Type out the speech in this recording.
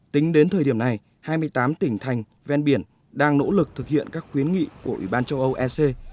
tính đến thời điểm này hai mươi tám tỉnh thành ven biển đang nỗ lực thực hiện các khuyến nghị của ủy ban châu âu ec